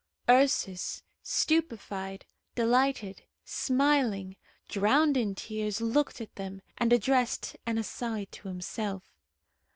Ursus, stupefied, delighted, smiling, drowned in tears, looked at them, and addressed an aside to himself.